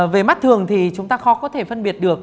về mắt thường thì chúng ta khó có thể phân biệt được